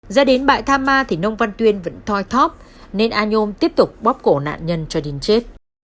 ra đến bại tham ma thì nông vật tuyển vẫn thoi thóp nên anom tiếp tục bóp cổ nạn nhân cho đến chết